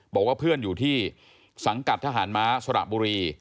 บอกว่าเพื่อนอยู่ที่สังกัดทหารม้าสระบุรี